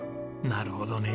なるほどね。